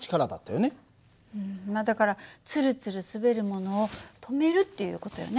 うんまあだからツルツル滑るものを止めるっていう事よね。